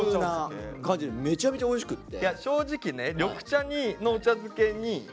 めちゃめちゃおいしくって。